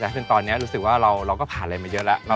แต่ซึ่งตอนนี้รู้สึกว่าเราก็ผ่านอะไรมาเยอะแล้ว